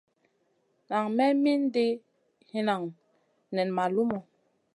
Nan me mindi hinanŋu nen ma lumu.